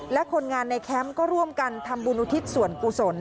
และคนงานในแคมป์ก็ร่วมกันทำบุญอุทิศส่วนกุศล